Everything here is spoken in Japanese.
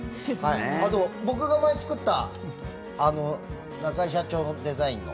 あと、僕が前作った中居社長のデザインの。